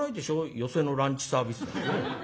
寄席のランチサービスなんてね。